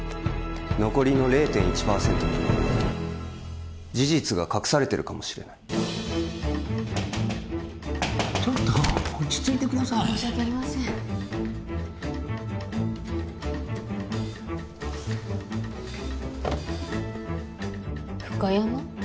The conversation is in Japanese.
残りの０．１％に事実が隠されてるかもしれないちょっと落ち着いてください申し訳ありませんフカヤマ？